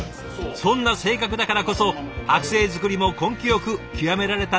そんな性格だからこそ剥製作りも根気よく極められたんですね。